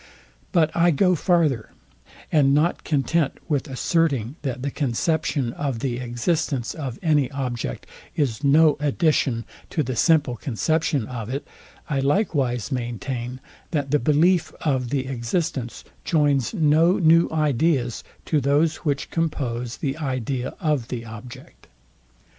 But I go farther; and not content with asserting, that the conception of the existence of any object is no addition to the simple conception of it, I likewise maintain, that the belief of the existence joins no new ideas to those which compose the idea of the object.